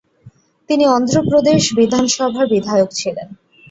তিনি অন্ধ্রপ্রদেশ বিধানসভার বিধায়ক ছিলেন।